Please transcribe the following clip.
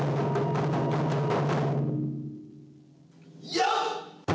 よっ！